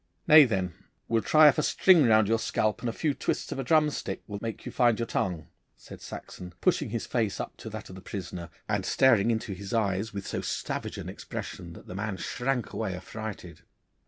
Nay, then, we'll try if a string round your scalp and a few twists of a drumstick will make you find your tongue,' said Saxon, pushing his face up to that of the prisoner, and staring into his eyes with so savage an expression that the man shrank away affrighted.